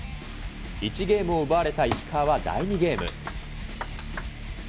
１ゲームを奪われた石川は第２ゲーム。